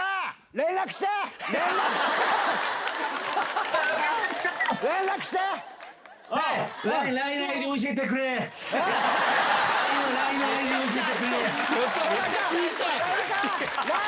連絡して！